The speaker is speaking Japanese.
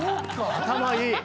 頭いい！